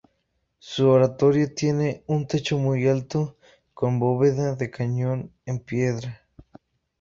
Su oratorio tiene un techo muy alto con bóveda de cañón de piedra.